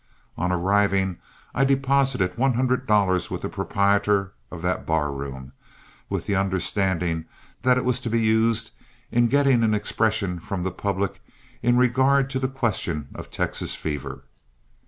On arriving, I deposited one hundred dollars with the proprietor of that bar room, with the understanding that it was to be used in getting an expression from the public in regard to the question of Texas fever.